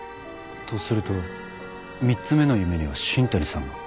とすると３つ目の夢には新谷さんが？